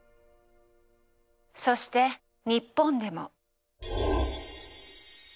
そして日本でも。